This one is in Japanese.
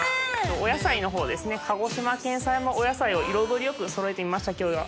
お野菜のほうですね鹿児島県産のお野菜を彩りよくそろえてみました今日は。